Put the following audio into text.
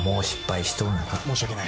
申し訳ない。